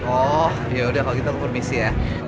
oh yaudah kalau gitu aku permisi ya